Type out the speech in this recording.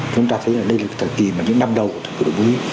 chúng ta thấy là đây là thời kỳ mà những năm đầu của đổi mũi